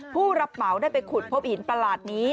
ผู้รับเหมาได้ไปขุดพบหินประหลาดนี้